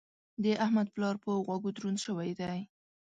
د احمد پلار په غوږو دروند شوی دی.